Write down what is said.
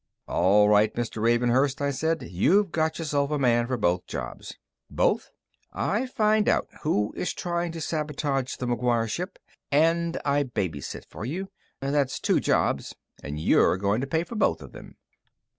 "All right, Mr. Ravenhurst," I said, "you've got yourself a man for both jobs." "Both?" "I find out who is trying to sabotage the McGuire ship, and I baby sit for you. That's two jobs. And you're going to pay for both of them."